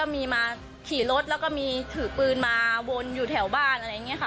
มีมาขี่รถแล้วก็ที่ถือปืนมาวนอยู่แถวบ้าน